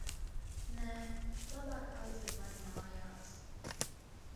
Nē, labāk aizved mani mājās.